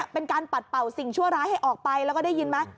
เป็นการปัดเป่าสิ่งชั่วร้ายให้ออกไปแล้วก็ได้ยินไหม